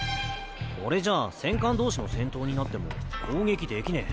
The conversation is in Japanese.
これじゃ戦艦同士の戦闘になっても攻撃できねえ。